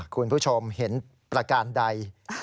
คุณผู้ชมเห็นประการใด